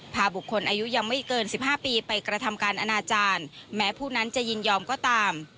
พาบุคคลอายุยังไม่เกิน๑๕ปีไปกระทำการอนาจารย์แม้ผู้นั้นจะยินยอมก็ตาม